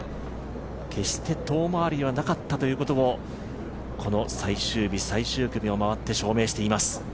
決して遠回りではなかったとこの最終日最終組を回って証明しています。